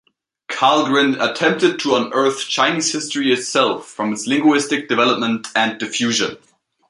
Karlgren attempted to unearth Chinese history itself from its linguistic development and diffusion.